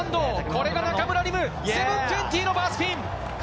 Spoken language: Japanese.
これが中村輪夢、７２０のバースピン。